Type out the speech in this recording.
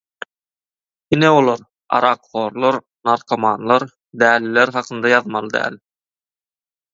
Ine olar: arakhorlar, narkomanlar, däliler hakynda ýazmaly däl.